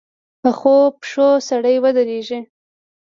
پخو پښو سړی ودرېږي